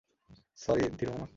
Sorry, Dhiru মামা!